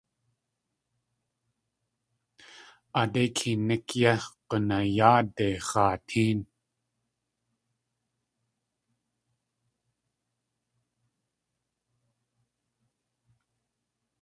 Aadéi keenik yé g̲unayáade x̲aatéen.